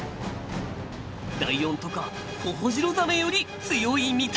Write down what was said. ライオンとかホホジロザメより強いみたいです。